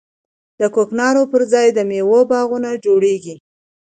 د کوکنارو پر ځای د میوو باغونه جوړیږي.